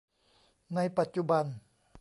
ในปัจจุบัน